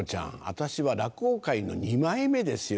私は落語界の二枚目ですよ